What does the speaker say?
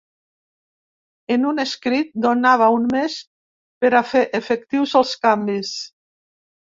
En un escrit, donava un mes per a fer efectius els canvis.